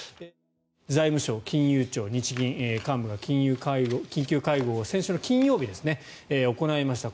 財務省、金融庁、日銀の幹部が緊急会合を先週の金曜日に行いました。